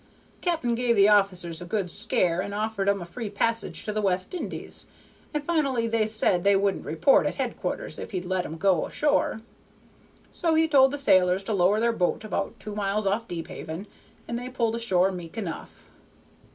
The Cap'n gave the officers a good scare and offered 'em a free passage to the West Indies, and finally they said they wouldn't report at headquarters if he'd let 'em go ashore; so he told the sailors to lower their boat about two miles off Deephaven, and they pulled ashore meek enough.